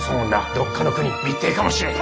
どっかの国ん密偵かもしれん！